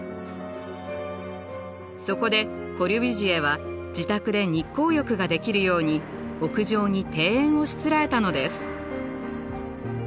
そこでコルビュジエは自宅で日光浴ができるように屋上に庭園をしつらえたのです。